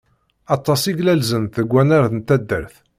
Aṭas i glalzent deg wannar n taddart.